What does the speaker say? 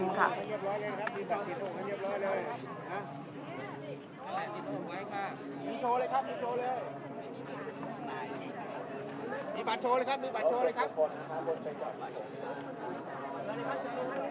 เมื่อเวลาอันดับสุดท้ายเมื่อเวลาอันดับสุดท้าย